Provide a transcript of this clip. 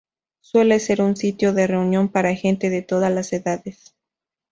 Suele ser un sitio de reunión para gente de todas las edades.